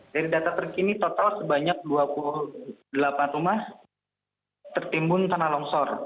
dari data terkini total sebanyak dua puluh delapan rumah tertimbun tanah longsor